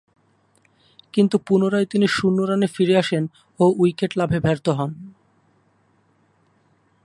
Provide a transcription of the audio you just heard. কিন্তু পুনরায় তিনি শূন্য রানে ফিরে আসেন ও উইকেট লাভে ব্যর্থ হন।